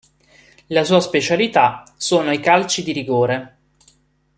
La sua specialità sono i calci di rigore.